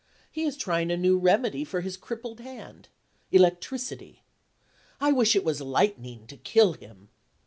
He is trying a new remedy for his crippled hand electricity. I wish it was lightning, to kill him!